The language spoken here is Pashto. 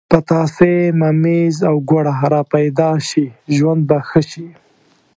پتاسې، ممیز او ګوړه را پیدا شي ژوند به ښه شي.